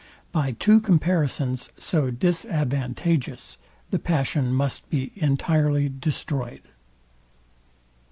By two comparisons so disadvantageous the passion must be entirely destroyed.